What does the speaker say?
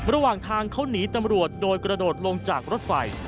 ระหว่างทางเขาหนีตำรวจโดยกระโดดลงจากรถไฟ